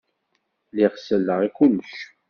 Lliɣ selleɣ i kullec.